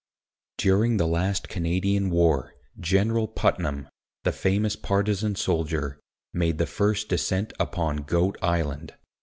During the last Canadian war, General Putnam, the famous partisan soldier, made the first descent upon Goat Island.